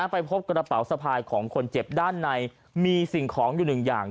ไปพบกระเป๋าสะพายของคนเจ็บด้านในมีสิ่งของอยู่หนึ่งอย่าง